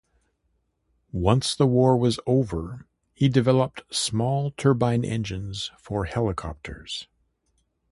Once the war was over he developed small turbine engines for helicopters.